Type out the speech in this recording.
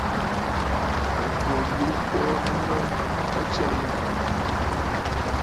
À kwǒ mburə ntoonə nnɔŋ, a tsyânə̀!